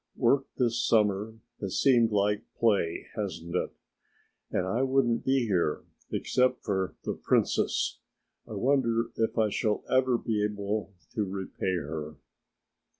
Work this summer has seemed like play, hasn't it? And I wouldn't be here, except for The Princess. I wonder if I shall ever be able to repay her?"